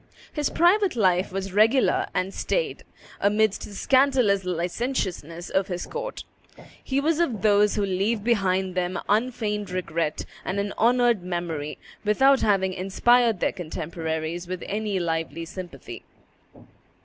His private life was regular and staid, amidst the scandalous licentiousness of his court. He was of those who leave behind them unfeigned regret and an honored memory, without having inspired their contemporaries with any lively sympathy.